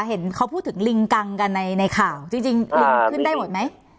เห็นเขาพูดถึงลิงกังกันในข่าวจริงลิงขึ้นได้หมดไหม